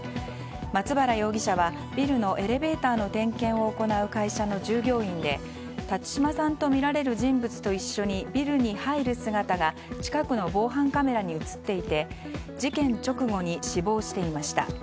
松原容疑者はビルのエレベーターの点検を行う会社の従業員で辰島さんとみられる人物と一緒にビルに入る姿が近くの防犯カメラに映っていて事件直後に死亡していました。